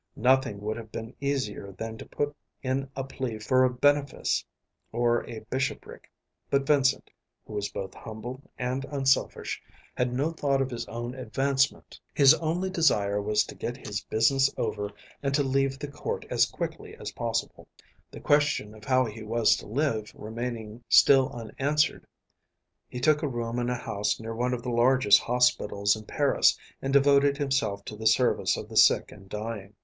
Nothing would have been easier than to put in a plea for a benefice or a bishopric; but Vincent, who was both humble and unselfish, had no thought of his own advancement. His only desire was to get his business over and to leave the Court as quickly as possible. The question of how he was to live remaining still unanswered, he took a room in a house near one of the largest hospitals in Paris and devoted himself to the service of the sick and dying.